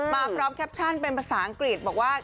พร้อมแคปชั่นเป็นภาษาอังกฤษบอกว่า